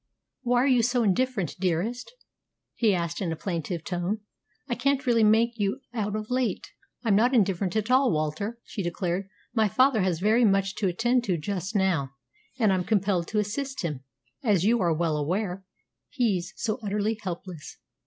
Why are you so indifferent, dearest?" he asked in a plaintive tone. "I can't really make you out of late." "I'm not indifferent at all, Walter," she declared. "My father has very much to attend to just now, and I'm compelled to assist him, as you are well aware. He's so utterly helpless."